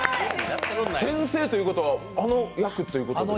先生ということは、あの役ということですか？